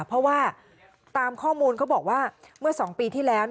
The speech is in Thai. เพราะว่าตามข้อมูลเขาบอกว่าเมื่อ๒ปีที่แล้ว